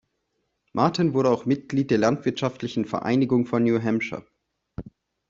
Martin wurde auch Mitglied der landwirtschaftlichen Vereinigung von New Hampshire.